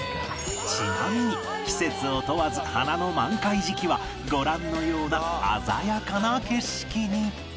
ちなみに季節を問わず花の満開時期はご覧のような鮮やかな景色に